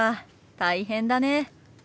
大変だね。